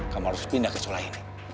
kamu harus pindah ke sekolah ini